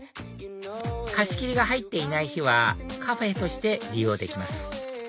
貸し切りが入っていない日はカフェとして利用できます